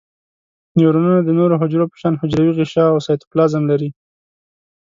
نیورونونه د نورو حجرو په شان حجروي غشاء او سایتوپلازم لري.